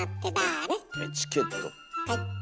はい。